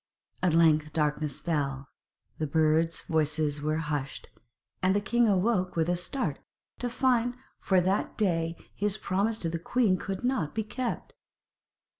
At length darkness fell; the birds' voices were hushed, and the king awoke with a start to find that for that day his promise to the queen could not be kept.